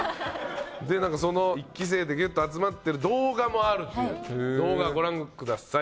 その一期生でぎゅっと集まってる動画もあるという動画ご覧ください。